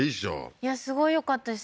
いやすごいよかったです